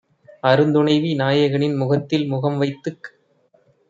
அருந்துணைவி நாயகனின் முகத்தில்முகம் வைத்துக்